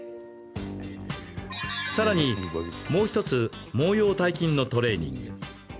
さらに、もう１つ毛様体筋のトレーニング。